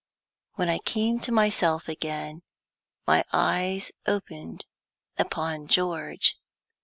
When I came to myself again my eyes opened upon George.